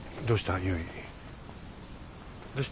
どうした？